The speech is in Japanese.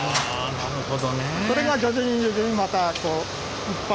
なるほど。